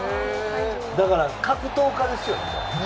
だから、もう格闘家ですよね。